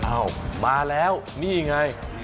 อ้าวมาแล้วนี่ไง